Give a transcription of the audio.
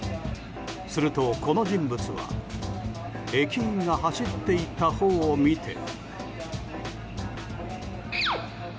すると、この人物は駅員が走っていったほうを見て。